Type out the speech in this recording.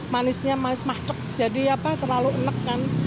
manisnya manis maksak jadi apa terlalu enak kan